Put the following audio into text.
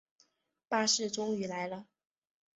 巴士终于来了